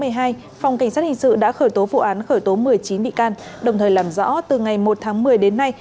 phòng cảnh sát hình sự đã khởi tố vụ án khởi tố một mươi chín bị can đồng thời làm rõ từ ngày một tháng một mươi đến nay